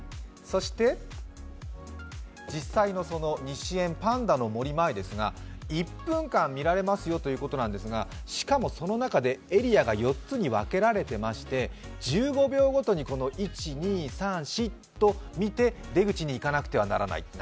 そして、実際の西園、パンダのもり前ですが、１分間見られますよということなんですが、エリアが４つに分けられてまして１５秒ごとにこの１、２、３、４と見て出口に行かなくてはならない。